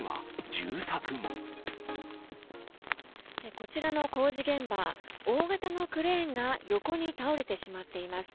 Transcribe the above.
こちらの工事現場、大型のクレーンが横に倒れてしまっています。